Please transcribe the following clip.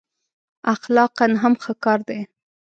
اخلاقأ هم ښه کار دی.